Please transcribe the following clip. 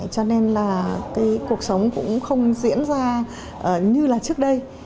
cho nên là cái cuộc sống cũng không diễn ra như là trước đây